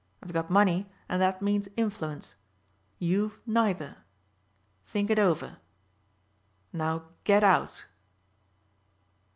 I've got money and that means influence. You've neither. Think it over. Now get out."